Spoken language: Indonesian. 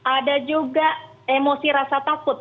ada juga emosi rasa takut